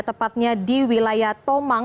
tepatnya di wilayah tomang